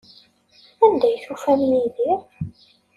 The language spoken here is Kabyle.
Anda ay tufam Yidir?